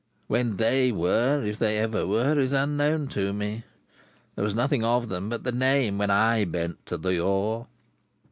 (When they were, if they ever were, is unknown to me; there was nothing of them but the name when I bent to the oar.)